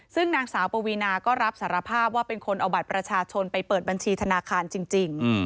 ซึ่งนางสาวปวีนาก็รับสารภาพว่าเป็นคนเอาบัตรประชาชนไปเปิดบัญชีธนาคารจริง